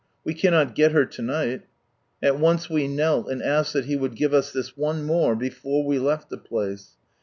We cannot get her to night." At once we knelt, and asked that He would give us this one more, before we left the place.